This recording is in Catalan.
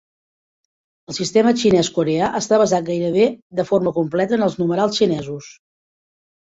El sistema xinès-coreà està basat gairebé de forma completa en els numerals xinesos.